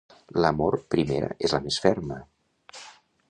L'amor primera és la més ferma.